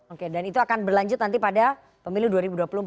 oke dan itu akan berlanjut nanti pada pemilu dua ribu dua puluh empat